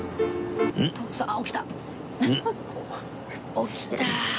起きた。